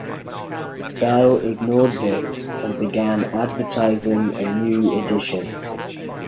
Bell ignored this and began advertising a "new edition".